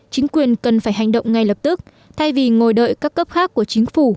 chính quyền cần phải hành động ngay lập tức thay vì ngồi đợi các cấp khác của chính phủ